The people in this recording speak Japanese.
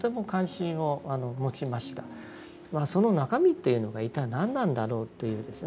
その中身というのが一体何なんだろうというですね